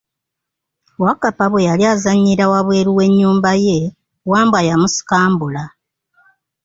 Wakkapa bwe yali ezanyira wabweru we nyumba ye, Wambwa yamusikambula.